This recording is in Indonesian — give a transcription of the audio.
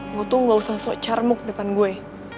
lo tuh gak usah sok cermuk depan gue